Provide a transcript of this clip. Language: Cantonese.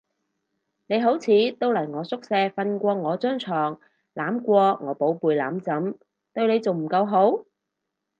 你好似都嚟我宿舍瞓過我張床，攬過我寶貝攬枕，對你仲唔夠好？